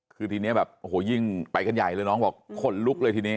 คือทีนี้แบบโอ้โหยิ่งไปกันใหญ่เลยน้องบอกขนลุกเลยทีนี้